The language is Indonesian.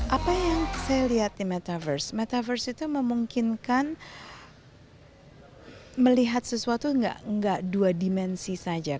apa yang saya lihat di metaverse metaverse itu memungkinkan melihat sesuatu nggak dua dimensi saja